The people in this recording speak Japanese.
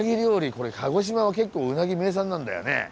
これ鹿児島は結構うなぎ名産なんだよね。